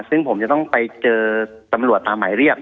ซึ่งผมจะต้องไปเจอตำรวจตามหมายเรียก